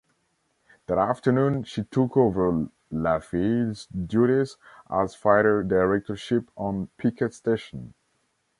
That afternoon she took over "Laffey"'s duties as fighter director ship on picket station.